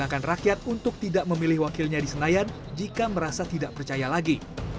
akan rakyat untuk tidak memilih wakilnya di senayan jika merasa tidak percaya lagi